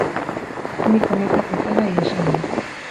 Ni kometak bezala ihesi noa.